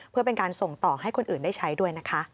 เพื่อเป็นการส่งต่อให้คนอื่นได้ใช้ด้วยนะคะ